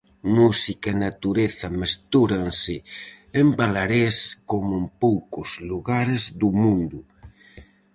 Música e natureza mestúranse en Balarés como en poucos lugares do mundo.